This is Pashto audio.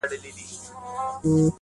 گرا ني خبري سوې پرې نه پوهېږم_